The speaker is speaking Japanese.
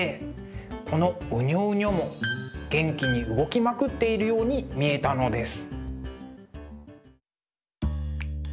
このうにょうにょも元気に動きまくっているように見えたのです。